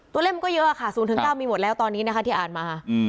เล่มก็เยอะค่ะ๐๙มีหมดแล้วตอนนี้นะคะที่อ่านมา